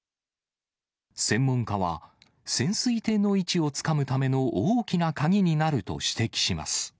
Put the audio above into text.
専門家は、潜水艇の位置をつかむための大きな鍵になると指摘します。